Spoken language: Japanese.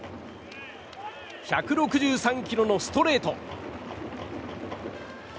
１６３キロのストレート。